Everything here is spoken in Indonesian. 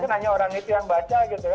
bukan hanya orang itu yang baca